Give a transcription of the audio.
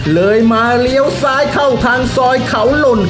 เลยมาเลี้ยวซ้ายเข้าทางซอยเขาหล่น